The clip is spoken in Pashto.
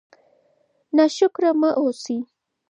ناشکره مه اوسئ.